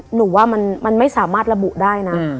หนูว่ามันไม่สามารถระบุได้นะ